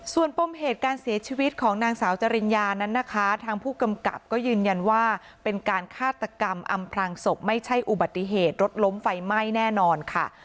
ส่วนปมเหตุการเสียชีวิตของนางสาวจริญญานั้นนะคะทางผู้กำกับก็ยืนยันว่าเป็นการฆาตกรรมอำพลังศพไม่ใช่อุบัติเหตุรถล้มไฟไหม้แน่นอนค่ะ